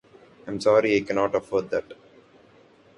I'm sorry, I cannot afford that